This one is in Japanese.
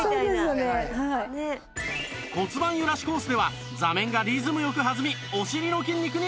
骨盤ゆらしコースでは座面がリズムよく弾みお尻の筋肉にアプローチ